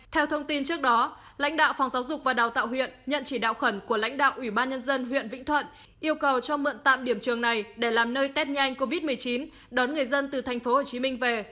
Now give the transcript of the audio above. theo thông tin trước đó lãnh đạo phòng giáo dục và đào tạo huyện nhận chỉ đạo khẩn của lãnh đạo ủy ban nhân dân huyện vĩnh thuận yêu cầu cho mượn tạm điểm trường này để làm nơi test nhanh covid một mươi chín đón người dân từ tp hcm về